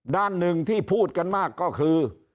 ด้านหนึ่งที่พูดกันมากก็คือ